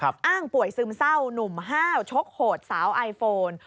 อ้างป่วยซึมเศร้าหนุ่มห้าวชกโหดสาวไอโฟน